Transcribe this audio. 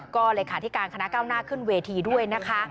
ก็เลขาธิการคณะเก้าหน้าขึ้นเวทีด้วยนะคะ